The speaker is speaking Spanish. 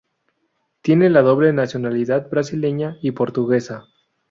Tiene la doble nacionalidad brasileña y portuguesa.